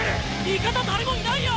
味方誰もいないよ